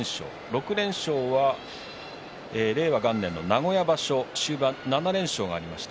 ６連勝は令和元年の名古屋場所終盤７連勝がありました